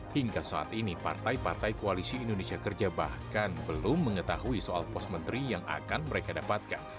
hingga saat ini partai partai koalisi indonesia kerja bahkan belum mengetahui soal pos menteri yang akan mereka dapatkan